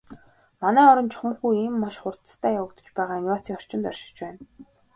Манай орон чухамхүү ийм маш хурдацтай явагдаж байгаа инновацийн орчинд оршиж байна.